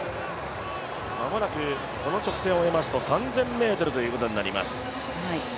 間もなくこの直線を終えますと３０００ｍとなります。